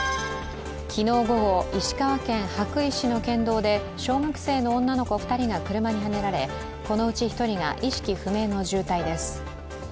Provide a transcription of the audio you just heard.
昨日午後、石川県羽咋市の県道で小学生の女の子２人が車にはねられこのうち１人が意識不明の重体です